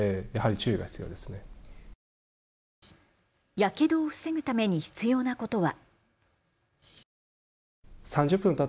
やけどを防ぐために必要なことは。